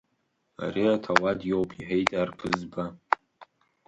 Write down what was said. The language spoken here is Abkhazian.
Ари аҭауад иоуп, — иҳәеит арԥызба.